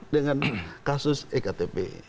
dengan kasus ektp